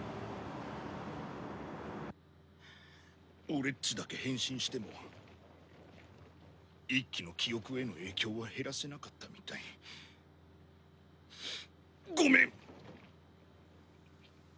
俺っちだけ変身しても一輝の記憶への影響は減らせなかったみたい。ごめん！